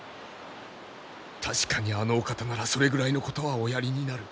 確かにあのお方ならそれぐらいのことはおやりになる。